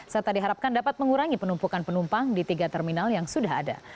serta diharapkan dapat mengurangi penumpukan penumpang di tiga terminal yang sudah ada